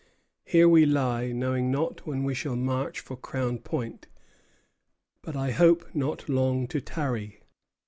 "Here we lie, knowing not when we shall march for Crown Point; but I hope not long to tarry.